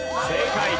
正解。